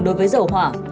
đối với dầu hỏa